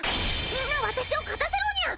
みんな私を勝たせろにゃ。